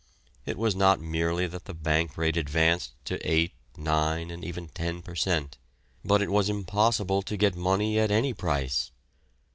It was not merely that the bank rate advanced to eight, nine, and even ten per cent., but it was impossible to get money at any price.